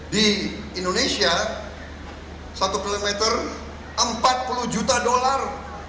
di indonesia satu km empat puluh juta dolar